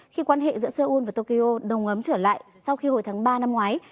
khi quan hệ giữa seoul và tokyo đồng ấm trở lại sau khi hồi tháng ba năm ngoái